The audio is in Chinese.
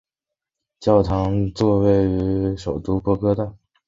教长区座堂位于首都波哥大。